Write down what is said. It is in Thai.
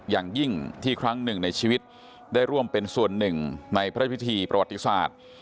อย่างยิ่งที่ครั้งหนึ่งในชีวิตได้ร่วมเป็นส่วนหนึ่งในพระพิธีประวัติศาสตร์